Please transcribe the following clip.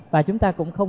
và chúng ta cũng không